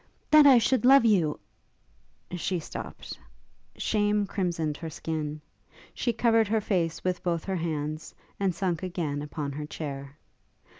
'That I should love you ' She stopt. Shame crimsoned her skin. She covered her face with both her hands, and sunk again upon her chair.